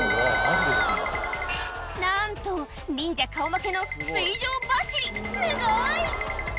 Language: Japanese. なんと忍者顔負けの水上走りすごい！